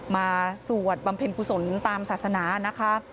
สวดบำเพ็ญกุศลตามศาสนานะคะ